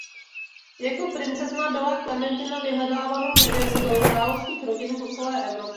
Jako princezna byla Klementina vyhledávanou nevěstou královských rodin po celé Evropě.